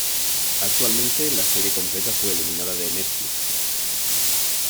Actualmente la serie completa fue eliminada de Netflix.